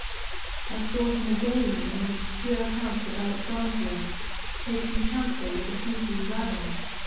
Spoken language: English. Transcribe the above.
I saw him again in an obscure house of Alexandria, taking counsel with a Hebrew rabbi.